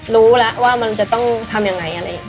รู้แล้วว่ามันจะต้องทำอย่างไร